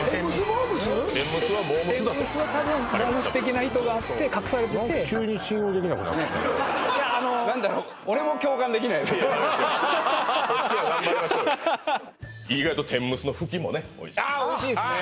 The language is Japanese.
的な意図があって隠されてていやあの何だろうこっちは頑張りましょうよ意外と天むすのあっおいしいですね